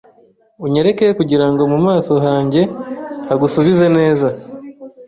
Unyereke kugirango mu maso hanjye hagusubize neza